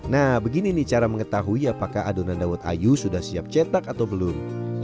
nah begini nih cara mengetahui apakah adonan dawet ayu sudah siap cetak atau belum